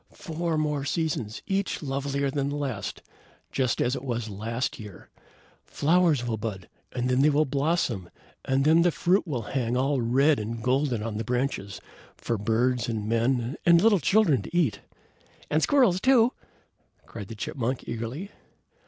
"Four more seasons, each lovelier than the last, just as it was last year. Flowers will bud, and then they will blossom, and then the fruit will hang all red and golden on the branches, for birds and men and little children to eat." "And squirrels, too!" cried the chipmunk, eagerly.